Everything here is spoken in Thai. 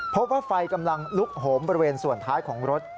พบว่าไฟกำลังลุกโหมบริเวณส่วนท้ายของรถ